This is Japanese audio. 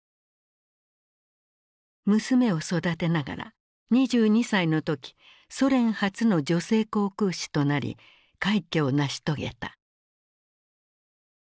娘を育てながら２２歳の時ソ連初の女性航空士となり快挙を成し遂げた。